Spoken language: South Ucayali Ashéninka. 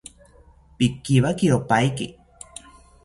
Pikiwakiro paiki